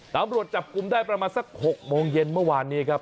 ตำรวจจับกลุ่มได้ประมาณสัก๖โมงเย็นเมื่อวานนี้ครับ